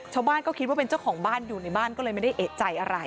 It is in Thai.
ชาวบ้านก็คิดว่าเป็นเจ้าของบ้านอยู่ในบ้านก็เลยไม่ได้เอกใจอะไร